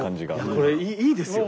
これいいですよ。